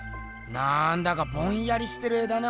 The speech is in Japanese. なんだかぼんやりしてる絵だな。